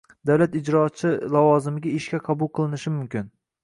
davlat ijrochi lavozimiga ishga qabul qilinishi mumkin